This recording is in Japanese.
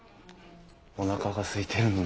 おなかがすいてるので。